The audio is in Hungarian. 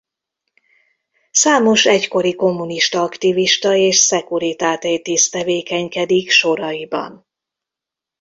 Számos egykori kommunista aktivista és Securitate-tiszt tevékenykedik soraiban.